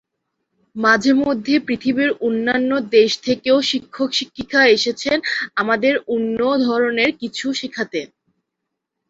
মাঝেমধ্যে পৃথিবীর অন্যান্য দেশ থেকেও শিক্ষক-শিক্ষিকা এসেছেন আমাদের অন্য ধরনের কিছু শেখাতে।